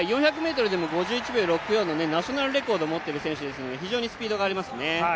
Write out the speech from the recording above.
４００ｍでも５４秒６４のナショナルレコード持っている選手ですので非常にスピードがありますね。